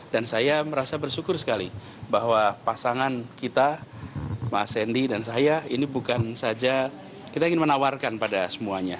dan saya merasa bersyukur sekali bahwa pasangan kita mas hendy dan saya ini bukan saja kita ingin menawarkan pada semuanya